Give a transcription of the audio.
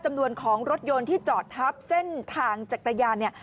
จำนวนของรถยนต์ที่จอดทับเส้นทางจักรยานเนี่ย